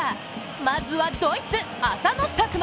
まずはドイツ、浅野拓磨。